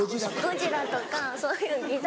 ゴジラとかそういうギザギザ。